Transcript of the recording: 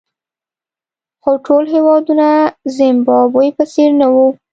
خو ټول هېوادونه د زیمبابوې په څېر نه وو.